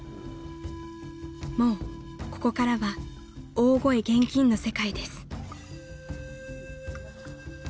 ［もうここからは大声厳禁の世界です］